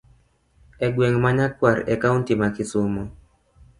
Egweng' ma kanyakwar e kaunti ma kisumo.